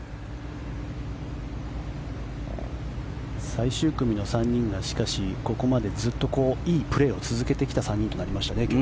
最終組の３人がしかしここまでずっといいプレーを続けてきた３人となりましたね。